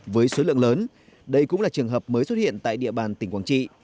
với số lượng lớn đây cũng là trường hợp mới xuất hiện tại địa bàn tỉnh quảng trị